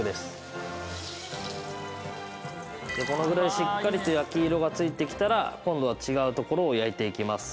このぐらいしっかりと焼き色がついてきたら今度は違うところを焼いていきます。